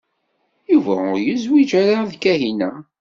Yuba ur yezwiǧ ara d Kahina.